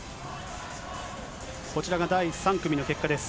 こちらが第３組の結果です。